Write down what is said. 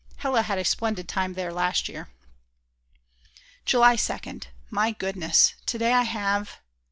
Hella had a splendid time there last year. July 2nd. My goodness, to day I have ...